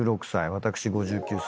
私５９歳。